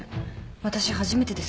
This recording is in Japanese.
私初めてです。